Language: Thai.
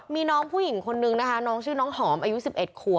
มีน้องผู้หญิงคนนึงนะคะน้องชื่อน้องหอมอายุ๑๑ขวบ